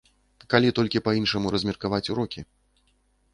Калі толькі па-іншаму размеркаваць урокі.